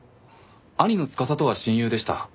兄の司とは親友でした。